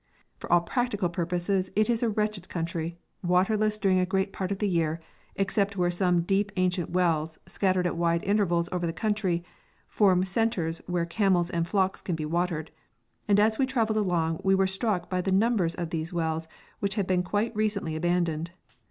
For all practical purposes it is a wretched country, waterless during a great part of the year, except where some deep ancient wells, scattered at wide intervals over the country, form centres where camels and flocks can be watered; and as we travelled along we were struck by the numbers of these wells which had been quite recently abandoned.